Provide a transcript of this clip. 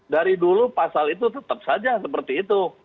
dari dulu pasal itu tetap saja seperti itu